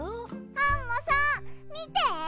アンモさんみて！